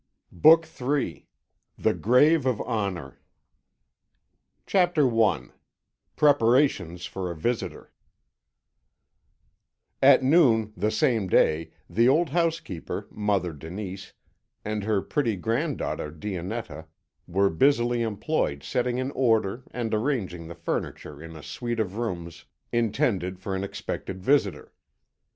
BOOK III. THE GRAVE OF HONOUR. CHAPTER I PREPARATIONS FOR A VISITOR At noon the same day the old housekeeper, Mother Denise, and her pretty granddaughter Dionetta were busily employed setting in order and arranging the furniture in a suite of rooms intended for an expected visitor.